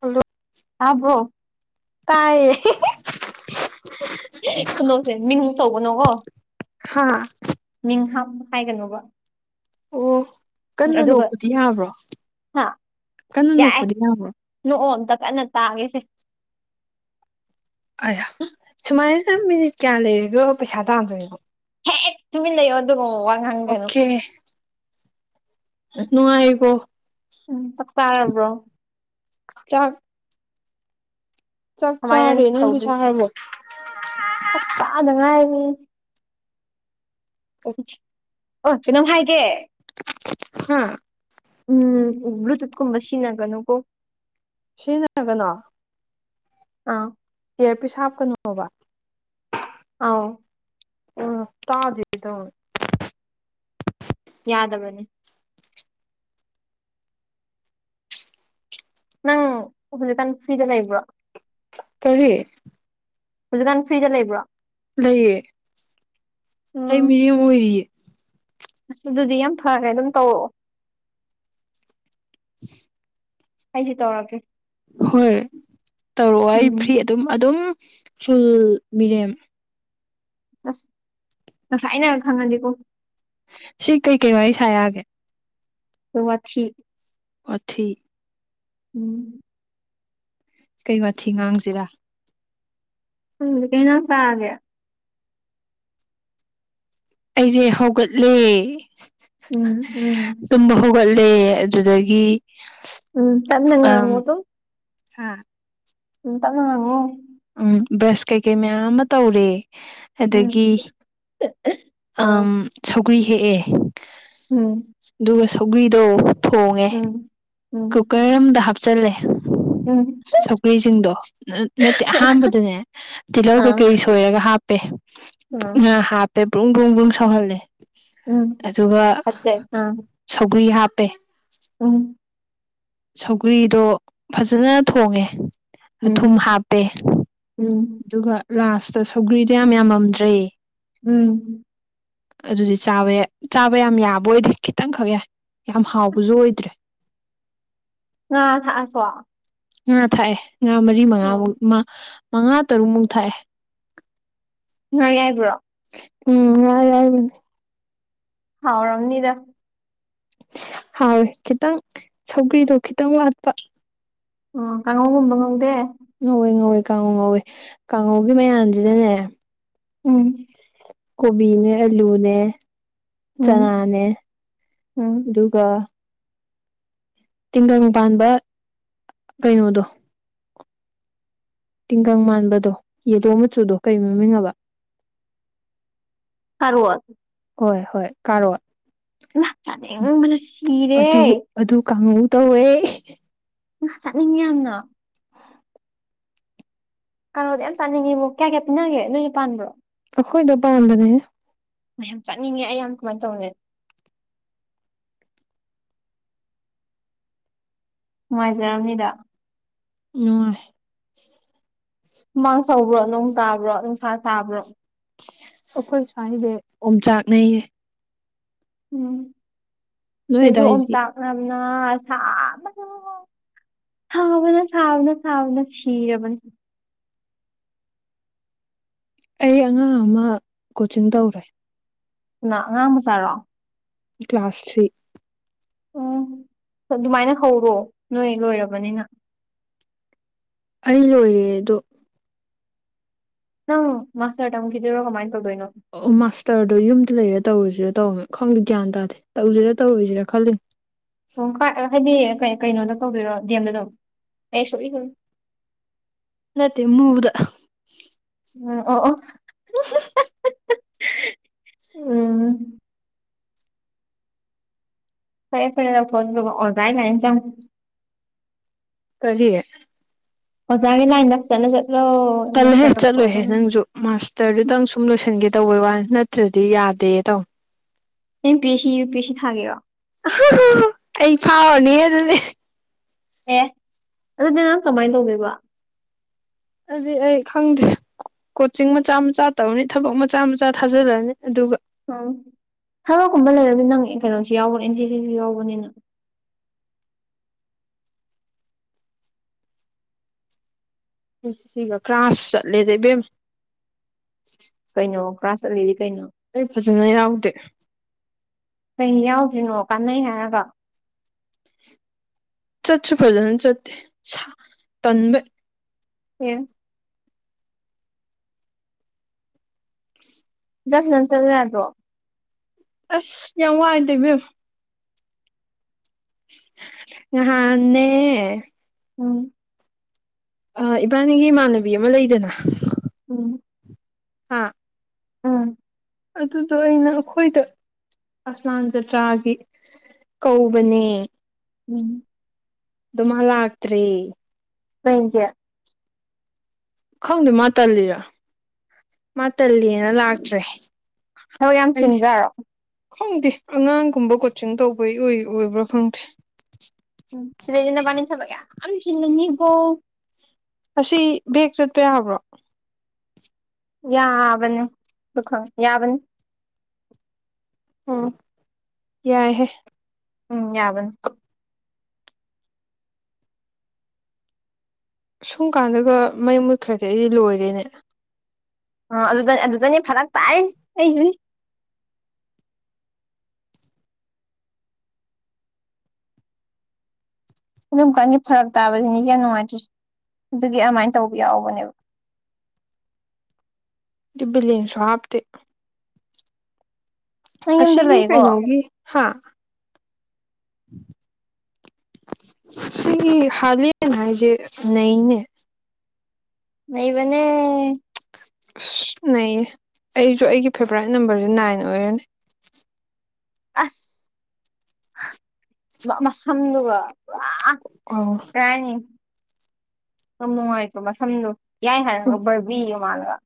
hello ꯑꯥꯕꯣ ꯇꯥꯏ ꯀꯩꯅꯣꯁꯦ ꯃꯤꯡ ꯇꯧꯕꯅꯣꯀꯣ ꯍꯥ ꯃꯤꯡ ꯍꯥꯝ ꯍꯥꯏꯒꯅꯣꯕ ꯑꯣ ꯀꯟꯅ ꯑꯗꯨꯒ ꯂꯧꯕꯗꯤ ꯌꯥꯕ꯭ꯔꯣ ꯍꯥ ꯀꯟꯅ ꯌꯥꯏ ꯅꯣꯛꯄꯗꯤ ꯌꯥꯕ꯭ꯔꯣ ꯅꯣꯛꯑꫭ ꯑꯝꯇꯪ ꯀꯟꯅ ꯇꯥꯒꯦꯁꯦ ꯑ ꯁꯨꯃꯥꯏꯅ ꯃꯤꯅꯤꯠ ꯀꯌꯥ ꯂꯩꯔꯒ ꯄꯩꯁꯥ ꯇꯥꯗꯣꯏꯅꯣ ꯍꯦꯛ ꯇꯨꯃꯤꯟ ꯂꯩꯌꯣ ꯑꯗꯨꯒ ꯋꯥ ꯍꯥꯡꯒꯅꯨ ꯑꯣꯀꯦ ꯅꯨꯡꯉꯥꯏꯔꯤꯕꯣ ꯎꯝ ꯆꯞ ꯇꯔꯕ꯭ꯔꯣ ꯆꯥꯡ ꯆꯥꯛ ꯀꯃꯥꯏꯅꯅꯣ ꯆꯥꯔꯦ ꯅꫭꯏꯗꯤ ꯆꯥꯔꯕꯣ ꯆꯥꯕꯗ ꯉꯥꯏꯔꯤ ꯑꯣ ꯀꯩꯅꯣꯝ ꯍꯥꯏꯒꯦ ꯍꯥꯥ ꯎꯝ ꯔꯨꯠ ꯀꯨꯝꯕ ꯁꯤꯖꯤꯟꯅꯒꯅꯣꯀꫭ ꯁꯔꯤꯅꯒꯅꯥ ꯑꯥ ꯀꯌꯔ ꯄꯤꯁ ꯍꯥꯞꯀꯅꯨꯕ ꯑꯥꯎ ꯑ ꯇꯥꯖꯗ ꯌꯥꯗꯕꯅꯦ ꯅꯪ ꯍꯧꯖꯤꯛꯀꯥꯟ ꯐ꯭ꯔꯤꯗ ꯂꯩꯕ꯭ꯔꯣ ꯀꯔꯤ ꯍꯧꯖꯤꯛꯀꯥꯟ ꯐ꯭ꯔꯤꯗ ꯂꯩꯕ꯭ꯔꯣ ꯂꯩꯌꯦ ꯑꯩ ꯎꯝ ꯃꯤꯅꯦꯝ ꯑꯣꯏꯔꯤꯌꯦ ꯑꯁ ꯑꯗꯨꯗꯤ ꯌꯥꯝ ꯐꯔ꯭ꯔꯦ ꯑꯗꯨꯝ ꯇꯧꯔꯛꯑꯣ [inaudible] ꯑꯩꯁꯨ ꯇꯉꯒ꯭ꯔꯦ ꯍꯣꯏ ꯇꯧꯔꯛꯑꯣ ꯑꯩ ꯎꯝ ꯐ꯭ꯔꯤ ꯑꯗꯨꯝ ꯑꯗꯨꯝ ꯁꯨꯜ ꯃꯔꯦꯝ ꯑꯁ ꯉꯁꯥꯏꯅ ꯈꯪꯍꯅꯤꯀꯣ ꯁꯤ ꯀꯩꯀꯩ ꯋꯥꯔꯤ ꯁꯥꯔꯛꯑꯒꯦ ꯇ ꯋꯥꯁꯤ ꯄꯊꯤ ꯎꯝ ꯀꯩ ꯋꯥꯊꯤ ꯉꯥꯡꯁꯤꯔꯥ ꯍ ꯀꯩꯅ ꯐꯒꯦ ꯑꯩꯁꯦ ꯍꯧꯒꯠꯂꯦ ꯎꯝ ꯎꯝ ꯒꯠꯂꯦ ꯑꯗꯨꯗꯒꯤ ꯎꯝ ꯇꯅꯉꯉꯣ ꯑꯗꯨ ꯍꯥꯥ ꯎꯇ ꯃꯥꯅꯦ ꯎꯝ ꯕ꯭ꯔꯁ ꯀꯩꯀꯩ ꯃꯌꯥꯝ ꯑꯃ ꯇꯧꯔꯦ ꯎꯝ ꯑꯗꯒꯤ ꯑ ꯑꯝ ꯁꯧꯒ꯭ꯔꯤ ꯍꯦꯛꯑꯦ ꯎꯝ ꯑꯗꯨꯒ ꯁꯧꯒ꯭ꯔꯤꯗꯣ ꯊꯣꯡꯉꯦ ꯎꯝ ꯎꯝ ꯀꯨꯀꯔ ꯑꯃꯝꯗ ꯍꯥꯞꯆꯤꯜꯂꯦ ꯎꯝ ꯁꯧꯀ꯭ꯔꯤꯁꯤꯡꯗꯣ ꯅꯠꯇꯦ ꯑꯍꯥꯟꯕꯗꯅꯦ ꯇꯤꯜꯍꯧ ꯑ ꯀꯩꯀꯩ ꯁꯣꯏꯔꯒ ꯍꯥꯞꯄꯦ ꯎꯝ ꯍꯥꯞꯄꯦ ꯕ꯭ꯔꯨꯡ ꯕ꯭ꯔꯨꯡ ꯕ꯭ꯔꯨꯡ ꯁꯧꯍꯜꯂꯦ ꯎꯝ ꯑꯗꯨꯒ ꯐꯠꯖꯩ ꯑ ꯁꯧꯒ꯭ꯔꯤ ꯍꯥꯞꯄꯦ ꯎꯝ ꯁꯧꯒ꯭ꯔꯤꯗꯣ ꯐꯖꯅ ꯊꯣꯡꯉꯦ ꯑꯊꯨꯝ ꯎꯝ ꯍꯥꯞꯄꯦ ꯎꯝ ꯑꯗꯨꯒ ꯂꯥꯁꯇ ꯁꯧꯒ꯭ꯔꯤꯗꯣ ꯌꯥꯝ ꯌꯥꯝꯃꯝꯗ꯭ꯔꯦ ꯎꯝ ꯑꯗꯨꯗꯤ ꯆꯥꯕ ꯆꯥꯕ ꯌꯥꯝ ꯌꯥꯕ ꯑꯣꯏꯗꯦ ꯈꯤꯇꯪꯈꯛ ꯌꯥꯏ ꯌꯥꯝ ꯍꯥꯎꯕꯁꯨ ꯑꯣꯏꯗ꯭ꯔꯦ ꯑ ꯊꯁꯣ ꯉꯥ ꯊꯥꯛꯑꯦ ꯉꯥ ꯃꯔꯤ ꯃꯉꯥꯃꯨꯛ ꯃꯉꯥ ꯇꯔꯨꯛꯃꯨꯛ ꯊꯥꯛꯑꯦ ꯉꯪꯉꯥꯏꯕ꯭ꯔꯣ ꯎꯝ ꯍꯥꯏ ꯍꯥꯏꯗꯤ ꯍꯥꯎꯔꯝꯅꯤꯗ ꯍꯥꯎꯋꯦ ꯈꯤꯇꯪ ꯁꯧꯒ꯭ꯔꯤꯗꯣ ꯈꯤꯇꯪ ꯋꯥꯠꯄ ꯑꯣ ꯀꯥꯡꯉꯧꯒꯨꯝꯕ ꯉꯧꯗꯦ ꯉꯧꯋꯏ ꯉꯧꯋꯏ ꯀꯥꯡꯉꯧ ꯉꯧꯏꯤ ꯀꯥꯡꯉꯧꯒꯤ ꯃꯌꯥꯝꯁꯤꯅꯅꯦ ꯎꯝ ꯀꯣꯕꯤꯅꯦ ꯑꯂꯨꯅꯦ ꯎꯝ ꯆꯅꯥꯅꯦ ꯎꯝ ꯑꯗꯨꯒ ꯇꯤꯡꯒꯪ ꯄꯥꯟꯕ ꯀꯩꯅꯣꯗꯣ ꯇꯤꯡꯒꯪ ꯃꯥꯟꯕꯗꯣ ꯌꯦꯂꯣ ꯃꯆꯨꯗꯣ ꯀꯔꯤ ꯃꯃꯤꯡꯉꯕ [inaudible] ꯁꯔ ꯑꯗꯨ ꯍꯣꯏ ꯍꯣꯏ ꯀꯥꯔꯣꯏ ꯏꯃꯥ ꯆꯥꯅꯤꯡꯕꯅ ꯁꯤꯔꯦ ꯑꯗꯨ ꯑꯗꯨ ꯀꯥꯡꯉꯨ ꯇꯋ ꯑ ꯆꯠꯅꯤꯡꯉꯤ ꯌꯥꯝꯅ ꯀꯩꯅꯣꯗ ꯌꯥꯝ ꯆꯥꯅꯤꯡꯉꯤꯕ ꯀꯌꯥ ꯀꯌꯥ ꯄꯤꯅꯒꯦ ꯅꯣꯏꯅ ꯄꯥꯟꯕ꯭ꯔꯣ ꯍꯈꯣꯏꯗ ꯄꯥꯟꯕꯝꯕꯅꯦ ꯃꯌꯥꯝ ꯆꯠꯅꯤꯡꯉꯦ ꯑꯩꯌꯥꯝ ꯀꯃꯥꯏꯅ ꯇꯧꯅꯤ ꯅꯨꯡꯉꯥꯏꯖꯔꯝꯅꯤꯗ ꯅ ꯃꯥꯡ ꯁꯧꯕ꯭ꯔꯣ ꯅꯣꯡ ꯇꯥꯕ꯭ꯔꯣ ꯅꯨꯡꯁꯥ ꯁꯥꯥꯕ꯭ꯔꯣ ꯑꯩꯈꯣꯏ ꯁ꯭ꯋꯥꯏꯁꯦ ꯑꯣꯝꯆꯥꯛꯅꯩꯌꯦ ꯎꯝ ꯅꯣꯏ ꯁꯤꯁꯨ ꯑꯗꯥꯏꯗꯤ ꯑꯣꯝꯆꯥꯛ ꯅꯝꯅ ꯁꯥ ꯑꯃꯅ ꯊꯕꯅ ꯊꯥꯎꯅ ꯊꯕꯅ ꯁꯤꯔꯕꯅꯤ ꯑꯩ ꯑꯉꯥꯡ ꯑꯃ ꯀꯣꯆꯤꯡ ꯇꯧꯔꯦ ꯎꯅꯥ ꯑꯉꯥꯡ ꯑꯃ ꯆꯥꯔꯣ ꯀ꯭ꯂꯥꯁꯥꯁ ꯊ꯭ꯔꯤ ꯎꯝ ꯑꯗꯨꯃꯥꯏꯅ ꯍꯧꯔꯣ ꯅꯣꯏ ꯂꯣꯏꯔꯕꯅꯤꯅ ꯑꯩ ꯂꯣꯏꯔꯦꯗꯣ ꯅ ꯃꯥꯁꯔ ꯇ ꯃꯨ ꯈꯈꯤꯗꯔ ꯀꯃꯥꯏꯅ ꯇꯧꯗꯣꯏꯅꯣ ꯑꯣ ꯑꯣ ꯃꯥꯁꯇꯔꯗꯣ ꯌꯨꯝꯗ ꯂꯩꯔꯦ ꯇꯧꯔꯨꯁꯤꯔ ꯇꯧꯅꯤ ꯈꯪꯗꯦ ꯒ꯭ꯌꯥꯟ ꯇꯥꯗꯦ ꯇꯧꯁꯤꯔ ꯇꯧꯔꯨꯁꯤꯔ ꯈꯜꯂꯤ ꯑꯣ ꯍꯥꯏꯗꯤ ꯀꯩꯅꯣꯗ ꯇꯧꯕꯤꯔꯣ ꯗꯦꯝꯗ ꯑꯗꯨꯝ ꯑꯩ ꯁꯣꯛꯏ ꯁ ꯅꯠꯇꯦ ꯃꯗ ꯎ ꯑꯣ ꯑꯣ [inaudible] ꯑ [unintelligible] [inaudible] ꯎꯝ ꯐꯔꯦ ꯐꯔꯦ ꯂ ꯐ ꯑꯣꯒꯥꯏ ꯀ ꯏꯟ ꯆ ꯀꯔꯤꯦ ꯍꯒꯤ ꯂ ꯏꯟ ꯆ ꯆꯜꯂꯍꯦ ꯆꯠꯂꯣꯏꯍꯦ ꯅꯪꯁꯨ ꯃꯥꯁꯇꯔꯗꯨꯗꯪ ꯁꯨꯝ ꯂꯣꯏꯁꯤꯟꯒꯦ ꯇꯧꯋꯦ ꯋꯥ ꯅꯠꯇ꯭ꯔꯗꯤ ꯌꯥꯗꯦ ꯇꯧ M P S C U P S C ꯊꯥꯒꯦꯔꯣ ꯑꯩ ꯐꯥꯎꯔꯅꯤ ꯑꯗꯨꯗꯤ ꯑꯦ ꯑꯗꯨꯅꯦ ꯅꯍꯥꯟ ꯀꯃꯥꯏꯅ ꯇꯧꯅꯕ ꯑꯗꯨꯗꯤ ꯑꯩ ꯈꯪꯗꯦ ꯀꯣꯆꯤꯡ ꯃꯆꯥ ꯃꯆꯥ ꯇꯧꯔꯅꯤ ꯊꯕꯛ ꯃꯆꯥ ꯃꯆꯥ ꯊꯥꯖꯜꯂꯛꯑꯅꯤ ꯑꯗꯨꯒ ꯎꯝ ꯊꯕꯛꯀꯨꯝꯕ ꯂꯩꯔꯃꯤ ꯅꯪ ꯀꯩꯅꯣꯁꯨ ꯌꯥꯎꯕꯅꯤ ꯑꯦꯟꯇꯖꯤꯁꯨ ꯌꯥꯎꯕꯅꯤꯅ [unintelligible] [inaudible] ꯁꯤꯒ ꯀ꯭ꯔꯥꯁ ꯆꯠꯂꯦꯗ ꯏꯕꯦꯝ ꯀꯥꯁ ꯂꯩ ꯑꯩ ꯐꯖꯅ ꯌꯥꯎꯗꯦ ꯀꯩ ꯌꯥꯎꯗ꯭ꯔꯤꯅꯣ ꯀꯥꯟꯅꯩ ꯍꯥꯏꯔꯒ ꯆꯠꯁꯨ ꯐꯖꯅ ꯆꯠꯇꯦ ꯇꯟꯕ ꯎ ꯆꯅꯝ ꯆꯠꯂ ꯌꯥꯗ꯭ꯔꯣ ꯑꯁ ꯌꯥꯝ ꯋꯥꯏꯗꯕꯌꯦꯝ ꯍꯥ ꯅ [inaudible] ꯎꯝ [inaudible] ꯑ ꯏꯕꯥꯅꯤꯒꯤ ꯏꯃꯥꯟꯅꯕꯤ ꯑꯃ ꯂꯩꯗꯅ ꯍꯥꯥ [inaudible] ꯑꯝ ꯑꯗꯨꯗꯣ ꯑꯩꯅ ꯑꯩꯈꯣꯏꯗ ꯑꯁꯂꯥꯟ ꯖꯇ꯭ꯔꯥꯒꯤ ꯀꯧꯕꯅꯦ ꯎꯝ ꯑꯗꯨꯗꯨꯃꯂ ꯑꯥꯛꯇ꯭ꯔꯤ ꯍ ꯀꯦ [inaudible] ꯈꯪꯗꯦ ꯃꯥ ꯇꯜꯂꯤꯔꯣ ꯃꯥ ꯇꯜꯂꯤꯦꯅ ꯂꯥꯛꯇ꯭ꯔꯦ ꯍꯣꯏ ꯌꯥꯝ ꯑꯩꯁꯦ ꯆꯤꯟꯖꯥꯔꯣ ꯈꯪꯗꯦ ꯑꯉꯥꯡꯒꯨꯝꯕ ꯀꯣꯆꯤꯡ ꯇꯧꯕꯩꯏ ꯑꯣꯏꯕ꯭ꯔꯥ ꯈꯪꯗꯦ ꯎꯝ ꯁꯤꯦꯖꯤꯅ ꯄꯅꯤ ꯊꯕꯒꯦ ꯆꯅꯤꯒꯣ ꯑꯁꯤ ꯕꯦꯛ ꯆꯠꯄ ꯌꯥꯕ꯭ꯔꯣ ꯌꯥꯕꯅꯤꯗꯨ ꯌꯥꯕꯅꯤ ꯑꯣ ꯌꯥꯏꯍꯦ ꯎꯝ ꯌꯥꯕꯟ ꯁꯨꯝ ꯀꯥꯟꯗꯨꯒ ꯃꯩ ꯃꯨꯠꯈ꯭ꯔꯗꯤ ꯑꯩꯗꯤ ꯂꯣꯏꯔꯦꯅꯦ ꯑ ꯑꯗꯨꯗ ꯑꯗꯨꯗꯅꯦ ꯐꯔꯛ ꯇꯥꯛ ꯑꯩꯁꯨ ꯑꯗꯨꯝ ꯀꯥꯟꯒꯤꯦ ꯐꯔꯛ ꯇꯥꯕꯁꯤ ꯃꯤꯁꯦ ꯌꯥꯝ ꯅꯨꯡꯉꯥꯏꯇ꯭ꯔꯁꯤꯦ ꯑꯗꯨꯒꯤ ꯑꯗꯨꯃꯥꯏꯅ ꯇꯧꯕ ꯌꯥꯎꯕꯅꯦꯕ ꯗꯤꯕꯂꯤꯟ ꯁꯣꯞꯇ ꯅꯪ ꯌꯨꯝꯗ ꯑꯁꯤꯒꯤ ꯂꯩꯀꯣ ꯀꯩꯅꯣꯒꯤ ꯍꯥ ꯁꯤ ꯍꯂꯅꯖꯦ ꯅꯩꯅꯅꯦ ꯅ ꯃ [inaudible] ꯑꯁ ꯅꯌꯦ ꯑꯩꯁꯨ ꯑꯩꯒꯤ ꯐꯦꯚꯣꯔꯥꯏꯠ ꯅꯝꯕꯔꯁꯦ ꯅꯥꯏꯟ ꯑꯣꯏꯔꯅꯤ ꯑꯁ ꯃꯁꯝꯗꯨꯒ ꯑꯧ ꯔꯅꯤ ꯀꯃꯁ ꯁꯝꯅꯨ ꯌꯥꯏ ꯍꯥꯏꯔꯒ ꯕꯔꯕꯤꯒ ꯃꯥꯂꯒ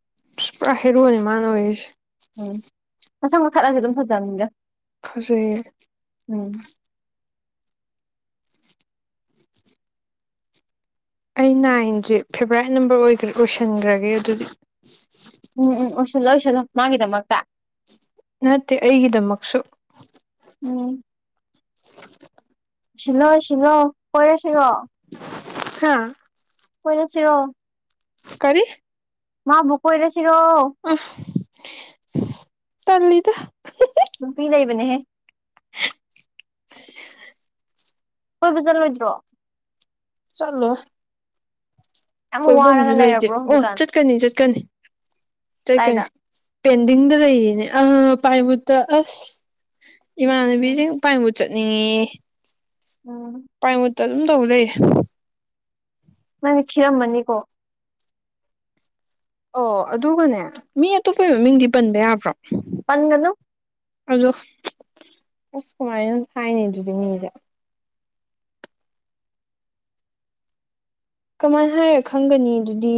ꯄꯨꯔꯥ ꯍꯩꯔꯨꯑꯅꯤ ꯃꯥꯅ ꯑꯣꯏꯔꯤꯁꯦ ꯎꯝ ꯃꯁꯪ ꯃꯈꯥꯠꯂꯁꯨꯦ ꯑꯗꯨꯝ ꯐꯖꯕꯅꯤꯒ ꯐꯁ ꯑꯩ ꯅꯥꯏꯟꯁꯦ ꯐꯦꯚꯣꯔꯥꯏꯠ ꯅꯝꯕꯔ ꯑꯣꯏ ꯑꯣꯏꯁꯟꯈ꯭ꯔꯒꯦ ꯑꯗꯨꯗꯤ ꯎꯝ ꯎꯝ ꯑꯣꯏꯁꯤꯜꯂꯣ ꯑꯣꯏꯁꯤꯜꯂꯣ ꯃꯥꯒꯤꯗꯃꯛꯇ ꯅꯠꯇꯦ ꯑꯩꯒꯤꯗꯃꯛꯁꯨ ꯎꯝ [unintelligible] ꯁꯤꯂꯣ ꯁꯤꯂꯣ ꯄꯦ ꯁꯤꯂꯣ ꯍꯥꯥ ꯍꯣꯏꯅꯁꯤꯔꯣ ꯀꯔꯤ ꯃꯥ ꯀꯔꯁꯤ ꯔꯣ ꯑ ꯇꯜꯂꯤꯗ ꯅꯨꯄꯤ ꯂꯩꯕꯅꯦꯍꯦ ꯀꯣꯏꯕ ꯆꯠꯂꯣꯏꯗ꯭ꯔꯣ ꯆꯂꯣ ꯌꯥꯝ ꯀꯣꯏꯕꯁꯨ ꯋꯥꯔꯒ ꯂꯩꯇꯦ ꯂꯩꯔꯕ꯭ꯔꯣ ꯑꯣ ꯍꯧꯖꯤꯛꯀꯥꯟ ꯆꯠꯀꯅꯤ ꯆꯠꯀꯅꯤ ꯆꯩꯀꯅꯤ ꯑꯗꯥꯏꯗ ꯄꯦꯟꯗꯤꯡꯗ ꯂꯩꯌꯦꯅꯦ ꯑꯥ ꯄꯥꯏꯃꯨꯠꯇ ꯑꯁ ꯎꯝ ꯏꯃꯥꯟꯅꯕꯤꯁꯤꯡ ꯄꯥꯏꯕꯨꯠ ꯆꯠꯅꯤꯡꯉ ꯎꯝ ꯄꯥꯏꯃꯨꯠꯇ ꯑꯗꯨꯝ ꯇꯧꯕ ꯂꯩ ꯅꯪꯅ ꯈꯦꯔꯝꯃꯅꯤꯀꯣ ꯑꯣ ꯑꯗꯨꯒꯅꯦ ꯃꯤ ꯑꯇꯣꯞꯄ ꯃꯃꯤꯡꯗꯤ ꯄꯟꯕ ꯌꯥꯕ꯭ꯔꯣ ꯄꯪꯒꯅ ꯑꯗꯣ ꯑꯁ ꯀꯃꯥꯏꯅ ꯍꯥꯏꯅꯤ ꯑꯗꯨꯗꯤ ꯃꯤꯁꯦ ꯀꯃꯥꯏꯅ ꯍꯥꯏꯔ ꯈꯪꯒꯅꯤ ꯑꯗꯨꯗꯤ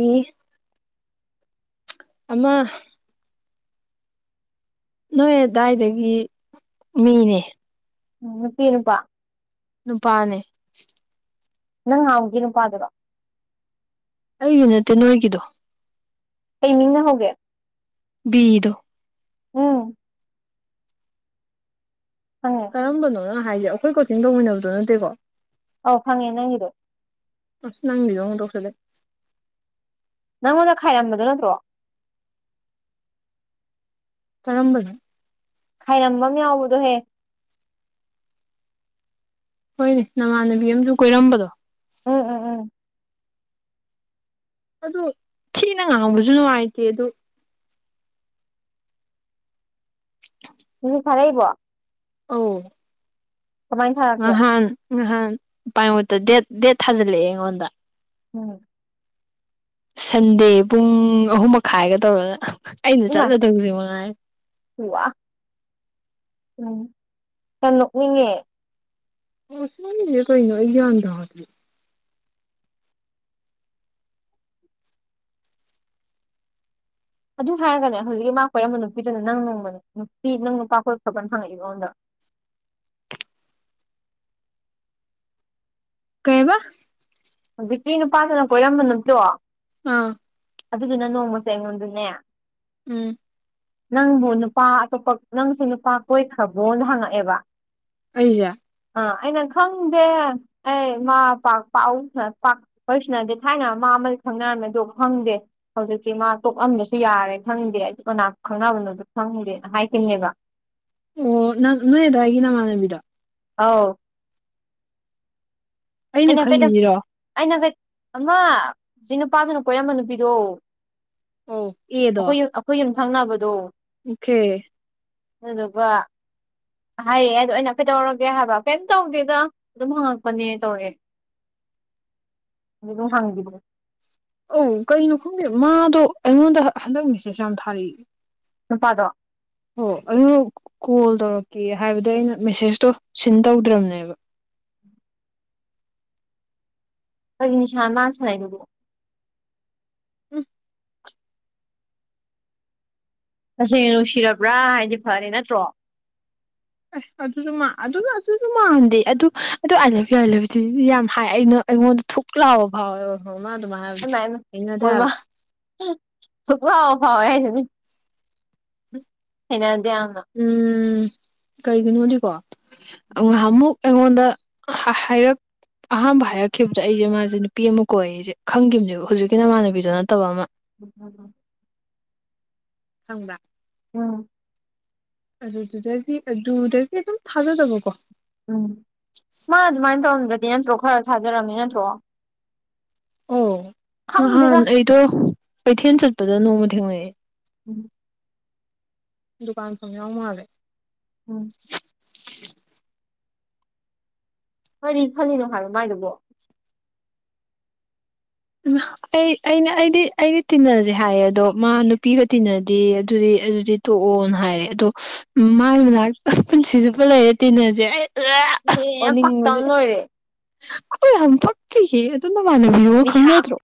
ꯑꯃ ꯅꯣꯏ ꯑꯗꯨꯗꯥꯋꯥꯏꯗꯒꯤ ꯃꯤꯅꯦ ꯎ ꯅꯨꯄꯤꯤ ꯅꯨꯨꯄꯥ ꯅꯨꯄꯥꯅꯦ ꯅꯪ ꯉꯥꯎꯒꯤ ꯅꯨꯄꯥꯗꯨꯔ ꯑꯩ ꯌꯨꯅꯦꯠꯇꯦ ꯅꯣꯏꯒꯤꯗꯣ ꯑꯩꯩꯃꯤꯅ ꯍꯧꯒꯦ ꯕꯤꯗꯣ ꯎꯝ ꯈꯪꯉꯦ ꯀꯔꯝꯕꯅꯣꯅꯪ ꯍꯥꯏꯁꯦ ꯑꯩꯈꯣꯏ ꯀꯣꯆꯤꯡ ꯇꯧꯃꯤꯟꯅꯕꯗꯨꯣ ꯅꯠꯇꯦꯀꯣ ꯑꯥꯎ ꯐꯪꯉꯦ ꯅꯪꯉꯗꯦ ꯑ ꯅꯪꯕꯤ ꯑ ꯇꯦꯁꯤꯜꯂꯛꯑꯥ ꯅꯪꯉꯣꯟꯗ ꯈꯥꯏꯔꯝꯕꯗꯨ ꯅꯠꯇ꯭ꯔꯣ ꯀꯔꯝꯕꯅꯑꯣ ꯈꯥꯏꯔꯝꯕ ꯑꯃ ꯌꯥꯎꯕꯗꯣꯍꯦ ꯍꯣꯏꯅꯦ ꯅꯃꯥꯟꯅꯕꯤ ꯑꯃꯁꯨ ꯀꯣꯏꯔꯝꯕꯗꯣ ꯎꯝ ꯎꯝ ꯎꯝ ꯑꯗꯨ ꯊꯤꯅ ꯉꯥꯡꯕꯁꯨ ꯅꯨꯡꯉꯥꯏꯇꯦ ꯑꯗꯨ ꯁꯤ ꯊꯔꯛꯏꯕꯣ ꯑꯎ ꯀꯃꯥꯏꯅ ꯊꯥꯔꯛꯀꯦ ꯉꯍꯥꯟ ꯄꯥꯏꯉꯨꯠꯇ ꯗꯦꯠ ꯗꯦꯠ ꯊꯥꯖꯤꯜꯂꯛꯑꯦ ꯑꯩꯉꯣꯟꯗ ꯎꯝ ꯁꯟꯗꯦ ꯄꯨꯡ ꯑꯍꯨꯝ ꯃꯈꯥꯏꯒ ꯇꯧꯔꯅ ꯑꯩꯅ ꯆꯠꯂꯗꯧꯁ ꯃꯉꯥꯏ ꯋꯥꯍꯥ ꯌꯥꯝ ꯅꯣꯛꯅꯤꯡꯉꯦ ꯑꯣ ꯁꯤꯖꯦ ꯀꯩꯅꯣ ꯑꯩ ꯒꯌ꯭ꯥꯟ ꯇꯥꯗꯦ ꯑꯗꯨ ꯍꯥꯏꯔꯒꯅꯦ ꯍꯧꯖꯤꯛ ꯃꯥ ꯀꯣꯏꯔꯝꯕ ꯅꯨꯄꯤꯗꯨꯅ ꯅꯪ ꯒꯨꯕꯅꯦ ꯅꯨꯄꯤ ꯅꯪ ꯅꯨꯄꯥ ꯀꯣꯏꯕ ꯈꯣꯠꯄꯥꯅ ꯍꯪꯉꯛꯏꯕ ꯑꯩꯉꯣꯟꯗꯥ [inaudible] [inaudible] ꯀꯩꯍꯥꯏꯕ ꯍꯧꯖꯤꯛꯀꯤ ꯅꯨꯄꯥꯗꯨꯅ ꯀꯣꯏꯔꯝꯕ ꯅꯠꯇꯣ ꯑꯥ ꯑꯗꯨꯒꯤꯅ ꯅꯣꯡꯃꯁꯦ ꯑꯩꯉꯣꯟꯗꯅꯦ ꯎꯝ ꯅꯪꯕꯨ ꯅꯨꯄꯥ ꯑꯇꯣꯞꯄ ꯅꯪꯁꯨ ꯅꯨꯄꯥ ꯀꯣꯏꯈ꯭ꯔꯕ꯭ꯔꯣꯅ ꯍꯪꯉꯛꯑꯦꯕ ꯑꯩꯁꯦ ꯑ ꯑꯩꯅ ꯈꯪꯗꯦ ꯑꯩ ꯃꯥ ꯄꯥꯛ ꯄꯥꯎ ꯄꯥꯛꯄꯁꯤꯅꯗꯤ ꯊꯥꯏꯅ ꯃꯥ ꯑꯃꯗꯣ ꯈꯪꯅꯔꯝꯃꯦꯗꯣ ꯈꯪꯗꯦ ꯍꯧꯖꯤꯛꯇꯤ ꯃꯥ ꯇꯣꯛꯂꯝꯕꯁꯨ ꯌꯥꯔꯦ ꯈꯪꯗꯦ ꯑꯩꯗꯤ ꯀꯅꯥ ꯈꯪꯅꯕꯅꯣꯁꯨ ꯈꯪꯗꯦꯅ ꯍꯥꯏꯈꯤ ꯉꯦꯕ ꯑꯣ ꯅꯡ ꯅꯣꯏ ꯑꯗꯥꯏꯒꯤ ꯅꯃꯥꯟꯅꯕꯤꯗꯣ ꯑꯥꯎ ꯑꯩꯅ ꯀꯩꯗꯧ ꯑꯩꯅ ꯀꯩ ꯑꯃ ꯁꯤ ꯅꯨꯄꯥꯗꯨꯅ ꯀꯣꯏꯔꯝꯕ ꯅꯨꯄꯤꯗꯣ ꯑꯧ ꯑꯈꯣꯏꯒꯤ ꯑꯈꯣꯏꯒꯤ ꯌꯨꯝꯊꯪꯅꯕꯗꯣ ꯑꯣꯈꯦ ꯃꯣꯏꯗꯨꯀꯣ ꯍꯥꯏꯔꯛꯑꯦ ꯑꯩꯗꯤ ꯑꯩꯅ ꯀꯩꯗꯧꯔꯒꯦ ꯍꯥꯏꯕ ꯀꯩꯝ ꯇꯧꯗꯦꯗ ꯑꯗꯨꯝ ꯍꯪꯉꯛꯄꯅꯦ ꯇꯧꯔꯛꯑꯦ ꯀꯔꯤꯅꯣ ꯍꯪꯒꯤꯕꯅꯦ ꯑꯧ ꯀꯩꯅꯣ ꯈꯪꯗꯦ ꯃꯥꯗꯣ ꯑꯩꯉꯣꯟꯗ ꯍꯟꯗꯛ ꯃꯤꯁꯦꯁ ꯌꯥꯝ ꯊꯥꯔꯛꯏ ꯅꯨꯄꯥꯗꯣ ꯍꯣꯏ ꯑꯗꯨ ꯀꯣꯜ ꯇꯧꯔꯛꯀꯦ ꯍꯥꯏꯕꯗꯣ ꯑꯩꯅ ꯃꯦꯁꯦꯖꯇꯣ ꯁꯤꯟ ꯇꯧꯗ꯭ꯔꯕꯅꯦꯕ ꯀꯩꯅꯤꯁꯅꯣ ꯃꯥ ꯁꯅꯩꯗꯨꯕꯨ ꯎꯝ ꯇꯁꯦꯡꯅ ꯅꯨꯡꯁꯤꯔꯕ꯭ꯔꯥ ꯍꯥꯏꯗꯤ ꯐꯔꯦ ꯅꯠꯇ꯭ꯔꯣ ꯑꯦ ꯑꯗꯨꯁꯨ ꯃꯥ ꯑꯗꯨ ꯑꯗꯨꯁꯨ ꯃꯥꯟꯗꯦ ꯑꯗꯨ ꯑꯗꯨ ꯑꯥꯏꯂꯞ ꯌꯨ ꯑꯥꯏꯂꯞ ꯌꯨ ꯌꯥꯝ ꯍꯥꯏ ꯑꯩꯅ ꯑꯩꯉꯣꯟꯗ ꯊꯨꯛ ꯂꯥꯎꯕ ꯐꯥꯎꯋꯦ ꯑꯣꯏ ꯃꯥ ꯑꯗꯨꯃꯥꯏ ꯍꯥꯏꯕꯗꯤ ꯊꯦꯡꯅꯗꯦ ꯍꯥꯏꯕ ꯁꯛ ꯄꯨꯔꯥ ꯐꯥꯎꯋꯦ ꯍꯥꯏꯁꯤꯅꯤ ꯍꯩꯅꯗꯦ ꯌꯥꯝꯅ ꯀꯔꯤꯒꯤꯅꯣꯗꯤꯀꯣ ꯉꯥꯏꯍꯥꯛ ꯑꯃꯨꯛ ꯑꯩꯉꯣꯟꯗ ꯍꯥꯏꯔꯛ ꯑꯍꯥꯟꯕ ꯍꯥꯏꯔꯛꯈꯤꯕꯗ ꯑꯩꯁꯦ ꯃꯥꯁꯦ ꯅꯨꯄꯤ ꯑꯃ ꯀꯣꯏ ꯑꯦꯁꯦ ꯈꯪꯈꯤꯕꯅꯦꯕ ꯍꯧꯖꯤꯛꯀꯤ ꯅꯃꯥꯟꯅꯕꯤꯗꯣ ꯅꯠꯇꯕ ꯑꯃ ꯎꯝ ꯈꯪꯕꯔꯥ ꯎꯝ ꯑꯗꯨꯗꯨꯗꯒꯤ ꯑꯗꯨꯗꯒꯤ ꯑꯗꯨꯝ ꯊꯥꯖꯗꯕꯀꯣ ꯎꯝ ꯃꯥ ꯑꯗꯨꯃꯥꯏꯅ ꯇꯧꯔꯝꯗ꯭ꯔꯗꯤ ꯅꯠꯇ꯭ꯔꯣ ꯈꯔ ꯊꯥꯖꯔꯝꯃꯦ ꯅꯠꯇ꯭ꯔꯣ ꯑꯣ ꯈꯪꯗꯦꯗ ꯅꯍꯥꯟ ꯑꯩꯗꯣ ꯀꯩꯊꯦꯜ ꯆꯠꯄꯗ ꯅꯣꯡꯃ ꯊꯦꯡꯅꯩꯑꯦ ꯎꯝ ꯗꯨꯀꯥꯟ ꯐꯝꯕ ꯌꯥꯎꯕ ꯃꯥꯜꯂꯦ ꯎꯝ [inaudible] ꯀꯔꯤ ꯈꯪꯗꯦꯍꯥꯏꯕ ꯃꯒꯤꯗꯨꯅꯤ ꯍꯥꯏꯕꯣ ꯃꯥꯏꯗꯨꯕꯣ ꯎ ꯑꯩ ꯑꯩꯅ ꯑꯩꯗꯤ ꯑꯩꯗꯤ ꯇꯤꯟꯅꯔꯁꯦ ꯍꯥꯏꯌꯦ ꯑꯗꯣ ꯃꯥ ꯅꯨꯄꯤꯒ ꯇꯤꯟꯅꯗꯦ ꯑꯗꯨꯗꯤ ꯑꯗꯨꯗꯤ ꯇꯣꯛꯑꯣꯅ ꯍꯥꯏꯔꯦ ꯑꯗꯣ ꯃꯥꯒꯤ ꯃꯅꯥꯛꯇ ꯄꯨꯟꯁꯤ ꯆꯨꯞꯄ ꯂꯩꯔꯦ ꯇꯤꯟꯅꯁꯦ ꯑꯩ ꯍꯦ ꯌꯥꯝ ꯄꯛꯇꯅꯕꯥꯅꯥ ꯂꯣꯏꯔꯦ ꯑꯩ ꯌꯥꯝ ꯄꯛꯇꯤꯌꯦ ꯑꯗꯨ ꯅꯥꯃꯥꯟꯅꯕꯤ ꯍꯣꯏ ꯅꯤꯁꯥ ꯈꯪꯅꯗꯔꯣ